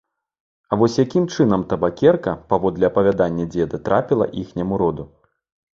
А вось якім чынам табакерка, паводле апавядання дзеда, трапіла іхняму роду.